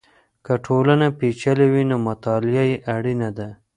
که ټولنه پېچلې وي نو مطالعه یې اړینه ده.